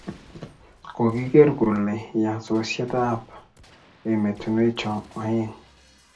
kokikeer kole ya sosyetab emetunwecho oeng'.